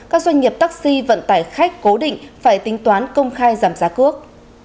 các doanh nghiệp taxi vận tải khách cố định phải tính toán công khai giảm giá cước